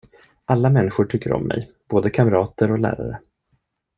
Alla människor tycker om mig, både kamrater och lärare.